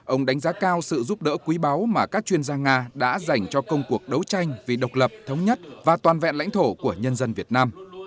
ông đánh giá cao sự giúp đỡ quý báu mà các chuyên gia nga đã dành cho công cuộc đấu tranh vì độc lập thống nhất và toàn vẹn lãnh thổ của nhân dân việt nam